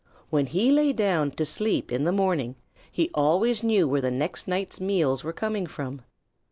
When he lay down to sleep in the morning he always knew where the next night's meals were coming from.